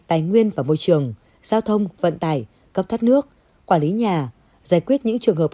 tài nguyên và môi trường giao thông vận tải cấp thoát nước quản lý nhà giải quyết những trường hợp